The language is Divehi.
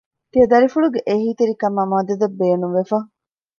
ތިޔަދަރިފުޅުގެ އެހީތެރިކަމާއި މަދަދަށް ބޭނުންވެފަ